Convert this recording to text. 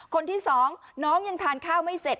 คนที่สองน้องยังทานข้าวไม่เสร็จ